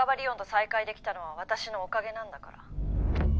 音と再会できたのは私のおかげなんだから。